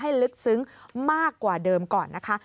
ลึกซึ้งมากกว่าเดิมก่อนนะคะ